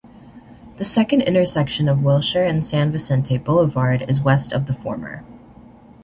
This second intersection of Wilshire and San Vicente Boulevard is west of the former.